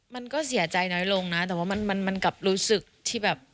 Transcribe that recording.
มันก็เสียใจน้อยลงนะแต่ว่ามันกับรู้สึกที่แบบ